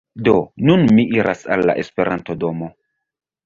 Do, nun mi iras al la Esperanto-domo